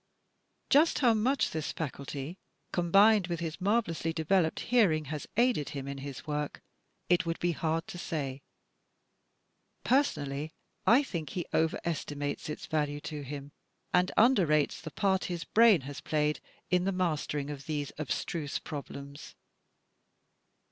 Just how much this faculty, combined with his marvellously developed hearing, has aided him in his work, it would be hard to say. Personally I think he overestimates its value to him, and under rates the part his brain has played in the mastering of these abstruse problems.